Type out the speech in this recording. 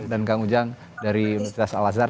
dan kang ujang dari universitas al azhar